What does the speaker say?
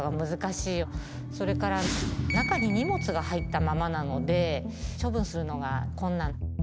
それから中に荷物が入ったままなので処分するのが困難。